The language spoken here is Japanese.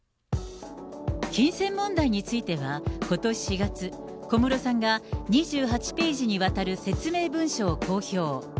金銭問題については、ことし４月、小室さんが２８ページにわたる説明文書を公表。